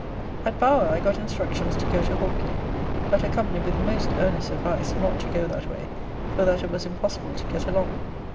At Bower I got instructions to go to Hawkley, but accompanied with most earnest advice not to go that way, for that it was impossible to get along.